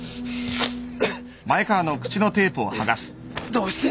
どうして？